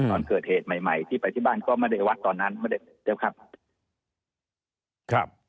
ตอนเกิดเหตุใหม่ใหม่ที่ไปที่บ้านก็ไม่ได้วัดตอนนั้นไม่ได้เดี๋ยวครับ